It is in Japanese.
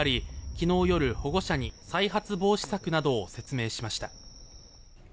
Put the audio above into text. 昨日夜、保護者に再発防止策などを説明しました。